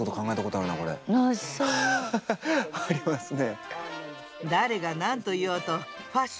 ありますね。